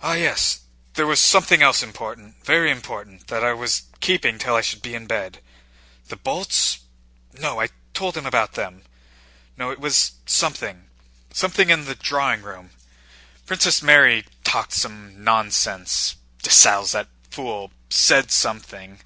"Ah yes, there was something else important, very important, that I was keeping till I should be in bed. The bolts? No, I told him about them. No, it was something, something in the drawing room. Princess Mary talked some nonsense. Dessalles, that fool, said something.